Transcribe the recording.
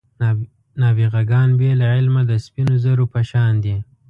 نابغه ګان بې له علمه د سپینو زرو په شان دي.